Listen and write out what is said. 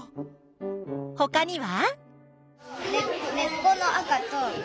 ほかには？